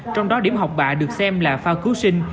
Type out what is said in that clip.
trong đó điểm học bạ được xem là phao cứu sinh